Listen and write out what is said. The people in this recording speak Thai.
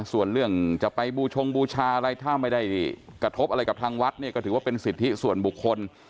ส่วนเรื่องจะไปบูชงบูชาอะไรถ้าไม่ได้กระทบอะไรกับทางวัดเนี่ยก็ถือว่าเป็นสิทธิส่วนบุคคล